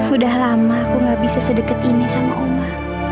udah lama aku gak bisa sedekat ini sama oma